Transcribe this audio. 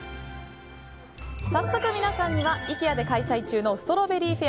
早速、皆さんにはイケアで開催中のストロベリーフェア